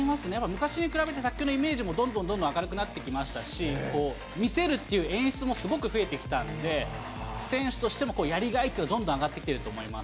昔に比べて卓球のイメージもどんどんどんどん明るくなってきましたし、見せるっていう演出もすごく増えてきたんで、選手としてもやりがいというのはどんどん上がってきてると思います。